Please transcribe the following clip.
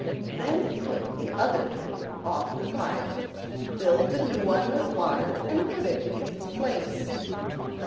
Then he took the other kettle off the fire, filled the new one with water, and put it in its place.